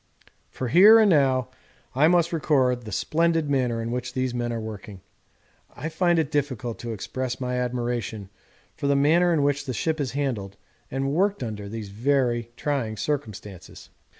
For here and now I must record the splendid manner in which these men are working. I find it difficult to express my admiration for the manner in which the ship is handled and worked under these very trying circumstances.